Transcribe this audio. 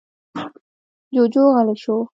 جُوجُو غلی شو.